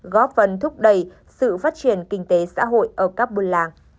góp phần thúc đẩy sự phát triển kinh tế xã hội ở các buôn làng